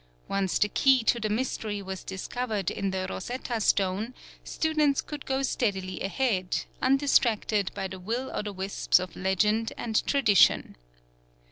Once the key to the mystery was discovered in the Rosetta Stone, students could go steadily ahead, undistracted by the will o' the wisps of legend and tradition.